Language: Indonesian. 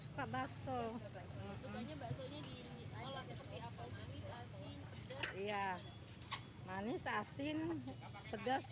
supaya bakso nya diolah seperti apa manis asin pedas